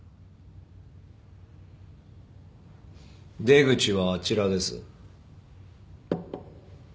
出口はあちらです。